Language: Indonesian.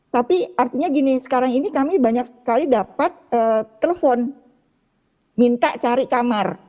tapi artinya gini sekarang ini kami banyak sekali dapat telepon minta cari kamar